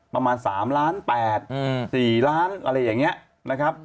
ประมาณ๓ล้าน๘๔ล้านอะไรอย่างนี้นะครับ